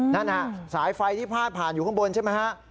นั่นฮะสายไฟที่พาดผ่านอยู่ข้างบนใช่ไหมฮะ